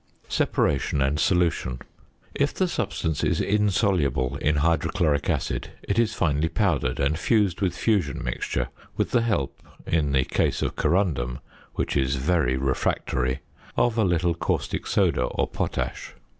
~Separation and Solution.~ If the substance is insoluble in hydrochloric acid it is finely powdered and fused with "fusion mixture" with the help, in the case of corundum (which is very refractory) of a little caustic soda or potash.